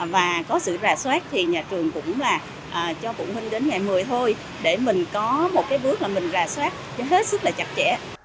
và có sự rà soát thì nhà trường cũng là cho phụ huynh đến ngày một mươi thôi để mình có một cái bước là mình rà soát cho hết sức là chặt chẽ